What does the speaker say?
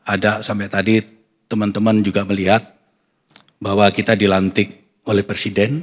ada sampai tadi teman teman juga melihat bahwa kita dilantik oleh presiden